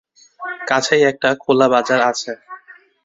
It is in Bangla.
কাছেই একটা খোলা বাজার আছে।